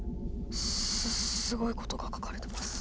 すすすすごいことが書かれてます。